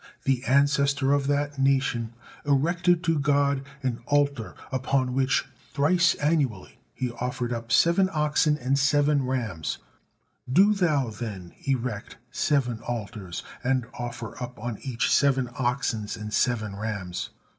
The ancestor of that nation erected to God an altar upon which, thrice annually, he offered up seven oxen and seven rams; do thou, then, erect seven altars, and offer up on each seven oxens and seven rams."